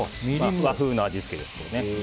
和風の味付けですね。